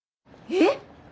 えっ？